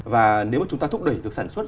và nếu mà chúng ta thúc đẩy việc sản xuất